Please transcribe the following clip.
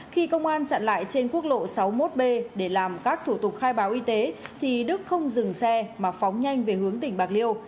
khi công an chặn lại trên quốc lộ sáu mươi một b để làm các thủ tục khai báo y tế thì đức không dừng xe mà phóng nhanh về hướng tỉnh bạc liêu